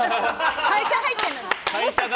会社入ってるのに。